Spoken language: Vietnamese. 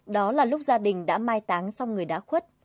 đó là lúc gia đình đã mai táng xong người đã khuất